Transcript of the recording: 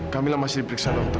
kamila masih diperiksa dokter